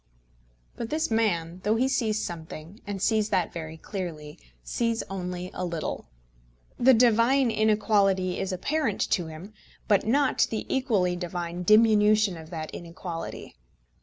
But this man, though he sees something, and sees that very clearly, sees only a little. The divine inequality is apparent to him, but not the equally divine diminution of that inequality.